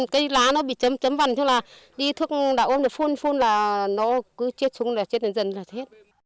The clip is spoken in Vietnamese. cây lá nó bị chấm vằn chứ là đi thuốc đã ôm được phun phun là nó cứ chết xuống là chết đến dần là hết